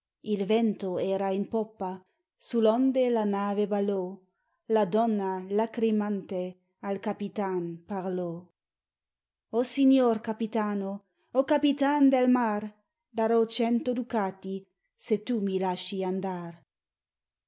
Il vento era in poppa, Sull'onde la nave ballò, La donna lacrimante Al capitan parlò: "O Signor Capitano! O Capitan' del mar! Daro cento ducati Se tu mi lasci andar!"